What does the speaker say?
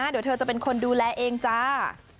เดี๋ยวเธอจะเป็นคนดูแลเองจ้า